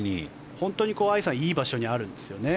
本当にいい場所にあるんですよね。